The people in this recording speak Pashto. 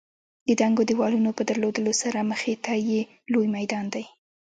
د دنګو دېوالونو په درلودلو سره مخې ته یې لوی میدان دی.